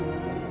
ya tuh mak